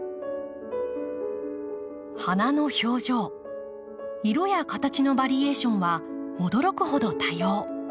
花の表情色や形のバリエーションは驚くほど多様。